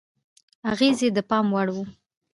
اغېز یې د پام وړ و.